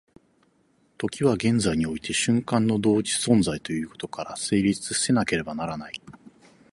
時は現在において瞬間の同時存在ということから成立せなければならない。